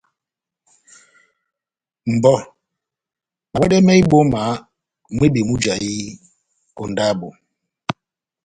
Mʼbɔ na wɛdɛmɛhɛ ibɔ́ma mwibi mujahi ó ndábo.